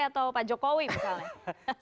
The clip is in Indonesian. atau pak jokowi misalnya